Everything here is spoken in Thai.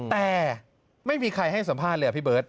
แต่ไม่มีใครให้สัมภาษณ์เลยอ่ะพี่เบิร์ต